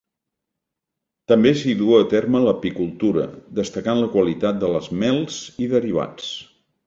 També s'hi du a terme l'apicultura, destacant la qualitat de les mels i derivats.